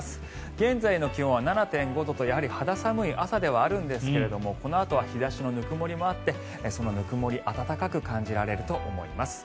現在の気温は７．５度とやはり肌寒い朝ではあるんですがこのあとは日差しのぬくもりもあってそのぬくもり暖かく感じられると思います。